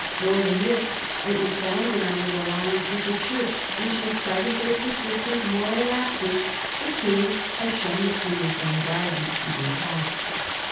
More than this, it was founded on an alliance with the Church, which, in spite of their persistent moral lapses, the kings had shown the keenest anxiety to keep intact.